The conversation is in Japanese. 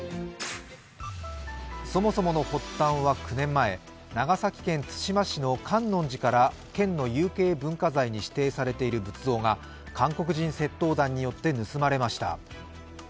そもそもの発端は９年前、長崎県津島市の観音寺から県の有形文化財に指定されている仏像が韓国人窃盗団によって盗まれました。